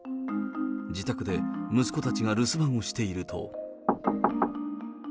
自宅で息子たちが留守番をしていると。